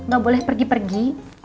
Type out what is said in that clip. gak boleh pergi pergi